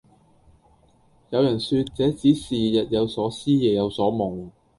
有人說那只是日有所思夜有所夢